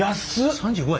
３５円！